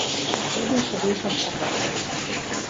«Келеш решӓш тагыце...»